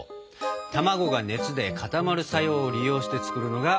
卵が熱で固まる作用を利用して作るのがプリンだ。